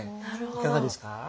いかがですか？